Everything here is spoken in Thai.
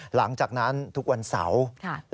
หลังจากนั้นทุกวันเสาร์